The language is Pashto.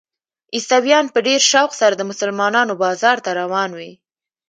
عیسویان په ډېر شوق سره د مسلمانانو بازار ته روان وي.